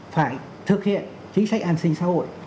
phải thực hiện chính sách an sinh xã hội